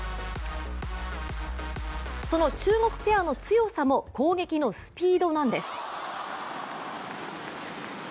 その中国ペアの強さも攻撃のスピードなんです